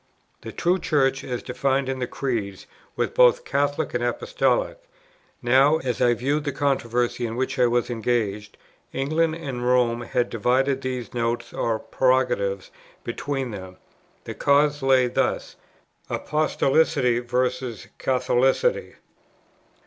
The true Church, as defined in the Creeds, was both Catholic and Apostolic; now, as I viewed the controversy in which I was engaged, England and Rome had divided these notes or prerogatives between them: the cause lay thus, Apostolicity versus Catholicity.